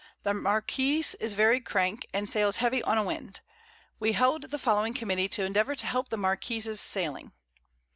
The Marquiss is very crank, and sails heavy on a Wind. We held the following Committee to endeavour to help the Marquiss's sailing.